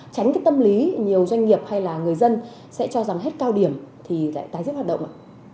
tránh cái tâm lý nhiều doanh nghiệp hay là người dân sẽ cho rằng hết cao điểm thì lại tái diễn hoạt động ạ